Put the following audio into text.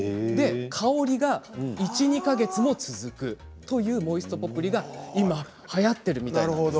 香りが１、２か月も続くというモイストポプリが今はやっているみたいです。